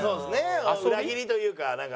裏切りというかなんか。